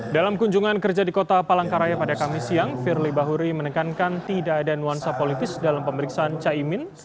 dalam kunjungan kerja di kota palangkaraya pada kamis siang firly bahuri menekankan tidak ada nuansa politis dalam pemeriksaan caimin